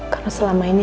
karena selama ini